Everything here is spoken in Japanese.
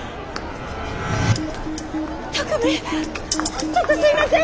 巧海ちょっとすいません！